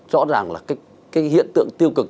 rõ ràng là cái hiện tượng tiêu cực